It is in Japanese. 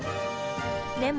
でも。